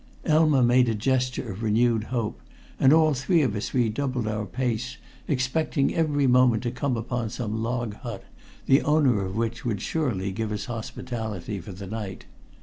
Elma made a gesture of renewed hope, and all three of us redoubled our pace, expecting every moment to come upon some log hut, the owner of which would surely give us hospitality for the night.